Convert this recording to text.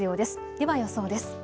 では予想です。